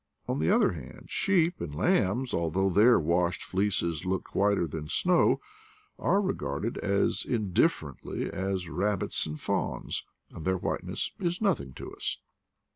On the other hand, sheep and lambs, although their washed fleeces look whiter than snow, are regarded as indifferently as rab bits and fawns, and their whiteness is nothing to us.